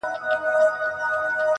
اوس به څه وايي زامنو ته پلرونه-